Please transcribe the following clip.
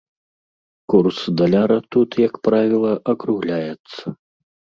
Курс даляра тут, як правіла, акругляецца.